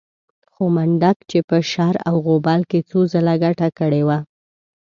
خو منډک چې په شر او غوبل کې څو ځله ګټه کړې وه.